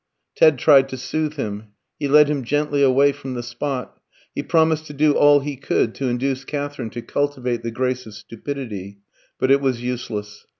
Ted tried to soothe him; he led him gently away from the spot; he promised to do all he could to induce Katherine to cultivate the grace of stupidity; but it was useless.